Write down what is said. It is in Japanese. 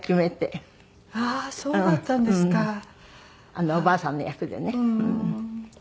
あのおばあさんの役でね。